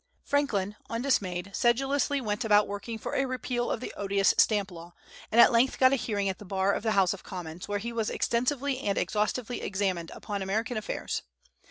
Franklin, undismayed, sedulously went about working for a repeal of the odious stamp law, and at length got a hearing at the bar of the House of Commons, where he was extensively and exhaustively examined upon American affairs.